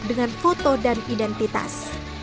dengan foto dan identitas